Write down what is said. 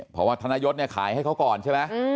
เพราะว่าธนยศเนี่ยขายให้เขาก่อนใช่ไหม